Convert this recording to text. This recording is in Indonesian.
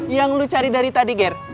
yang lu cari dari tadi ger